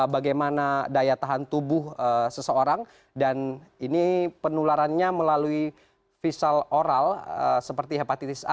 bagaimana daya tahan tubuh seseorang dan ini penularannya melalui visal oral seperti hepatitis a